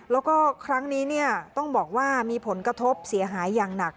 แล้วก็ครั้งนี้ต้องบอกว่ามีผลกระทบเสียหายอย่างหนัก